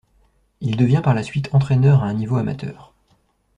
Il devient par la suite entraîneur à un niveau amateur.